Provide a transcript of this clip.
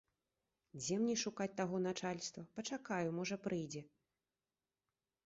Дзе мне шукаць таго начальства, пачакаю, можа, прыйдзе.